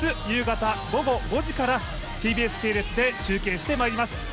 夕方、午後５時からＴＢＳ系列で中継してまいります。